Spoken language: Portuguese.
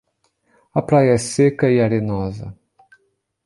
A praia é seca e arenosa.